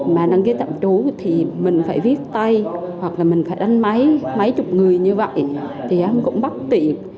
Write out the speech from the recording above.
mà đăng ký tạm trú thì mình phải viết tay hoặc là mình phải đánh máy mấy chục người như vậy thì cũng bắt tiền